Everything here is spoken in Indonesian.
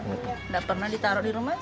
tidak pernah ditaruh di rumah